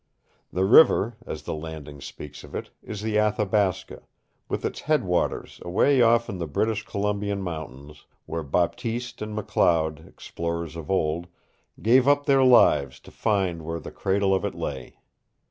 The River, as the Landing speaks of it, is the Athabasca, with its headwaters away off in the British Columbian mountains, where Baptiste and McLeod, explorers of old, gave up their lives to find where the cradle of it lay.